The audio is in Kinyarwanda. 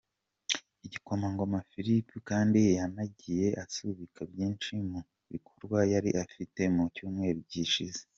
igikomangoma Philip kandi yanagiye asubika byinshi mu bikorwa yari afite mu cyumweru gishize.